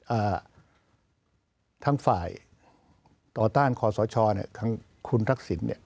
อ่าทั้งฝ่ายต่อต้านคอสชเนี่ยทั้งคุณทักษิณเนี่ย